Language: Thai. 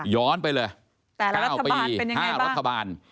ย้อนไปเลย๙ปี๕รัฐบาล